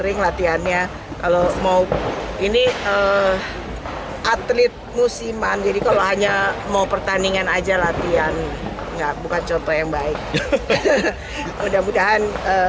ini atlet musiman jadi kalau hanya mau pertandingan aja latihan nggak bukan contoh yang baik mudah mudahan